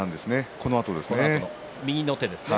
このあとですね。